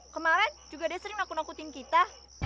kemarin juga dia sering nakut nakutin kita